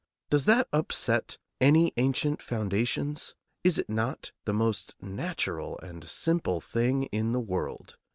Does that upset any ancient foundations? Is it not the most natural and simple thing in the world?